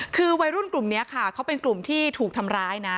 คือวัยรุ่นกลุ่มนี้ค่ะเขาเป็นกลุ่มที่ถูกทำร้ายนะ